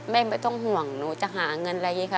ไม่ต้องห่วงหนูจะหาเงินอะไรอย่างนี้ค่ะ